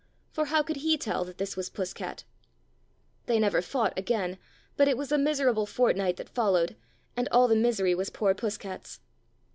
For how could he tell that this was Puss cat ? They never fought again, but it was a miserable fortnight that followed, and all the misery was poor Puss cat's.